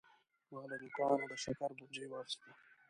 ما له دوکانه د شکر بوجي واخیسته.